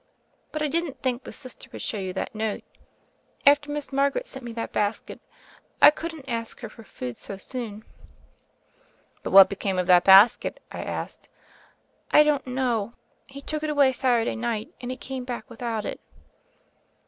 But I didn't think the Sister would show you that note. After Miss Mar garet sent me that basket, I couldn't ask her for food so soon." "But what became of that basket?" I asked. "I don't know. He took it away Saturday night, and he came back without it."